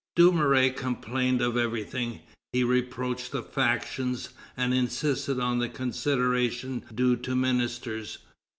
Dumouriez complained of everything; he reproached the factions, and insisted on the consideration due to ministers.